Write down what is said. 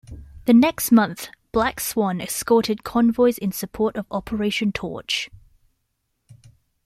The next month "Black Swan" escorted convoys in support of Operation Torch.